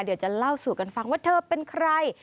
เดี๋ยวจะเล่าสู่กันฟังว่าเธอเป็นใคร